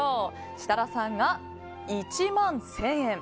設楽さんが１万１０００円。